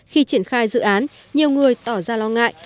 khi triển khai dự án nhiều người tỏ ra lo ngại